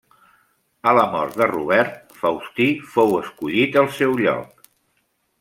A la mort de Robert, Faustí fou escollit al seu lloc.